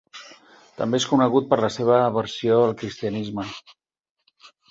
També és conegut per la seva aversió al cristianisme.